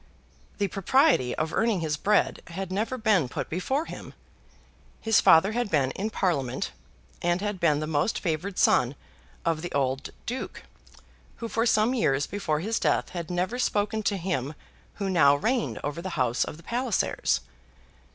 The propriety of earning his bread had never been put before him. His father had been in Parliament, and had been the most favoured son of the old Duke, who for some years before his death had never spoken to him who now reigned over the house of the Pallisers.